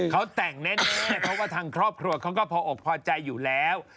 เขาแต่งแน่เพราะว่าทางครอบครัวเขาก็พออกพอใจอยู่แล้ว